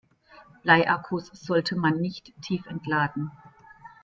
Bleiakkus sollte man nicht tiefentladen.